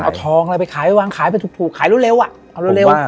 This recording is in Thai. เอาทองอะไรไปขายไปวางขายไปถูกขายเร็วอ่ะเอาเร็ว